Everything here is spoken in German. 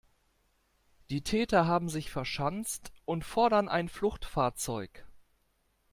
Die Täter haben sich verschanzt und fordern ein Fluchtfahrzeug.